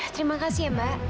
terima kasih mbak